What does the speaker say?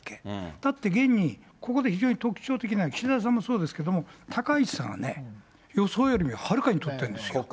だって現にここで非常に特徴的なのは、岸田さんもそうですけど、高市さんがね、予想よりもはるかに取ってるんですよ。